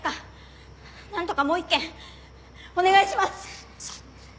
なんとかもう一件お願いします！